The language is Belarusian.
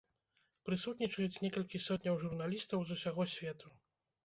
Прысутнічаюць некалькі сотняў журналістаў з усяго свету.